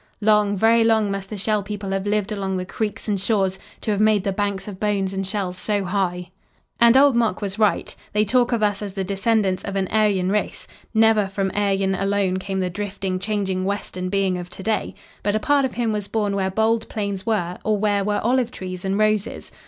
Long, very long, must the Shell People have lived along the creeks and shores to have made the banks of bones and shells so high." And Old Mok was right. They talk of us as the descendants of an Aryan race. Never from Aryan alone came the drifting, changing Western being of to day. But a part of him was born where bald plains were or where were olive trees and roses.